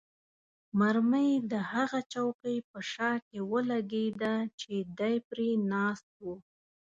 مرمۍ د هغه چوکۍ په شا کې ولګېده چې دی پرې ناست وو.